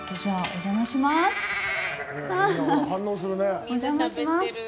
お邪魔します。